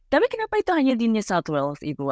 tapi kenapa itu hanya di new south wales ibu